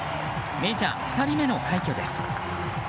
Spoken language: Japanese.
メジャー２人目の快挙です。